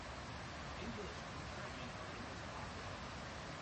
English and German are the most popular.